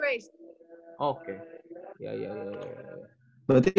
dari kecil sampai sekarang